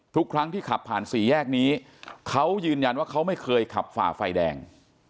ทุกครั้งที่ขับผ่านสี่แยกนี้เขายืนยันว่าเขาไม่เคยขับฝ่าไฟแดง